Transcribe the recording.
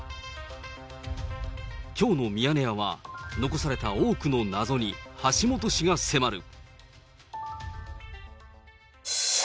きょうのミヤネ屋は、残された多くの謎に橋下氏が迫る。